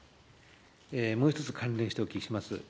もう１つ関連してお聞きします。